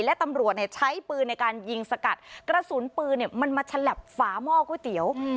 และตำรวจใช้ปืนในการยิงสกัดกระสุนปืนมันมาฉลับฝาหม้อก๋วยเตี๋ยว